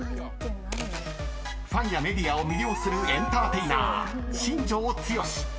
［ファンやメディアを魅了するエンターテイナー］